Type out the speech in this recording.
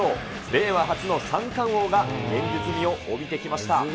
令和初の三冠王が現実味を帯びてきました。